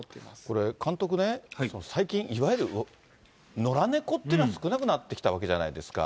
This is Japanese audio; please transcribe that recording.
これ、監督ね、最近、いわゆる野良猫っていうのは少なくなってきたわけじゃないですか。